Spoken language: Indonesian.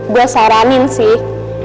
gue saranin sih